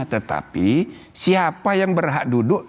tetapi siapa yang berhak duduk